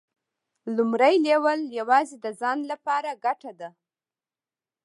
لومړی لیول یوازې د ځان لپاره ګټه ده.